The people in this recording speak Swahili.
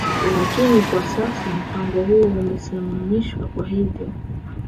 Lakini kwa sasa mpango huo umesimamishwa Kwa hivyo